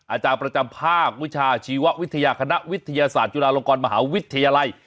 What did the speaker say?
อาจารย์ประจำภาควิชาชีววิทยาคณะวิทยาศาสตร์จุฬาลงกรมหาวิทยาลัย